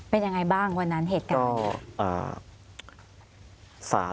เป็นยังไงบ้างวันนั้นเหตุการณ์